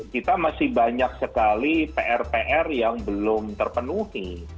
kita masih banyak sekali pr pr yang belum terpenuhi